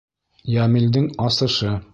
ЙӘМИЛДЕҢ АСЫШЫ